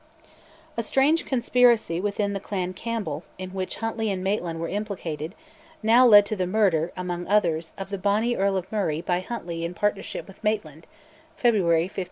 A strange conspiracy within Clan Campbell, in which Huntly and Maitland were implicated, now led to the murder, among others, of the bonny Earl of Murray by Huntly in partnership with Maitland (February 1592).